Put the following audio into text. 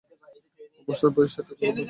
অবসর বয়সে, টাকার লোভে ভুলটা করেছিলাম।